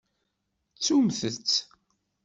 Ttumt-t.